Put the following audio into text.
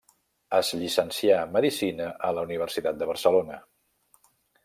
Es llicencià en medicina a la Universitat de Barcelona.